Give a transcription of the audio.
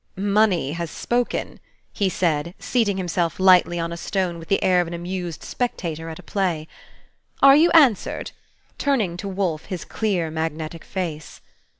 "Money has spoken!" he said, seating himself lightly on a stone with the air of an amused spectator at a play. "Are you answered?" turning to Wolfe his clear, magnetic face.